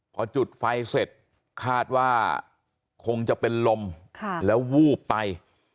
พอจุดไฟเสร็จคาดว่าคงจะเป็นลมแล้ววูบไป